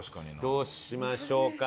どうしましょうか？